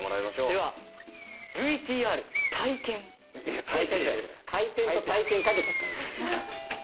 ではＶＴＲ「回転」と「体験」かけちゃった。